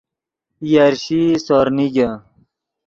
یرشیئی سور نیگے